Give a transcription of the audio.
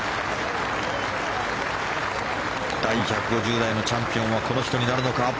第１５０代のチャンピオンはこの人になるのか。